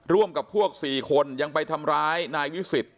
ร่วมกับพวก๔คนยังไปทำร้ายนายวิสิทธิ